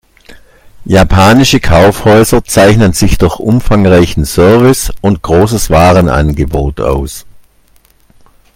Japanische Kaufhäuser zeichnen sich durch umfangreichen Service und großes Warenangebot aus.